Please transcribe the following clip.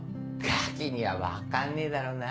ガキには分かんねえだろうな。